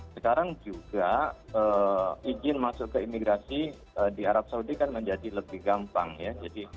sekarang juga izin masuk ke imigrasi di arab saudi kan menjadi lebih gampang ya